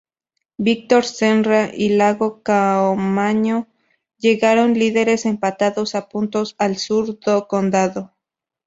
Víctor Senra y Iago Caamaño llegaron líderes empatados a puntos al Sur do Condado.